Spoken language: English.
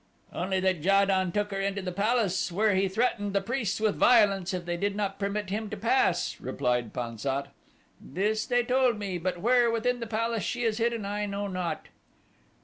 "Only that Ja don took her into the palace where he threatened the priests with violence if they did not permit him to pass," replied Pan sat. "This they told me, but where within the palace she is hidden I know not."